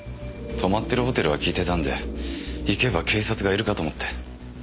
泊まってるホテルは聞いてたんで行けば警察がいるかと思って。